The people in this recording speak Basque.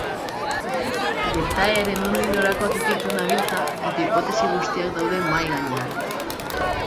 Gertaeren nondik norakoak ikertzen dabiltza eta hipotesi guztiak daude mahai gainean.